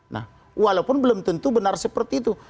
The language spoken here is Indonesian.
nah walaupun belum tentu benar seperti itu